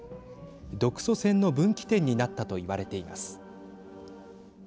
独ソ戦の分岐点になったと言われています。